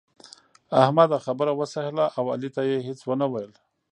احمد خبره وسهله او علي ته يې هيڅ و نه ويل.